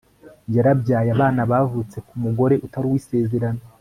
yarabyaye abana bavutse k'umugore utari uwisezerano